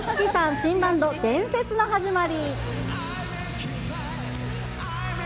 新バンド、伝説の始まり。